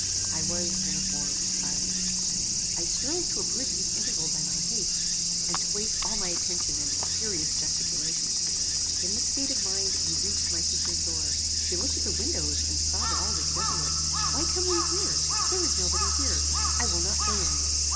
I was, therefore, silent. I strove to abridge this interval by my haste, and to waste all my attention in furious gesticulations. "In this state of mind we reached my sister's door. She looked at the windows and saw that all was desolate "Why come we here? There is no body here. I will not go in."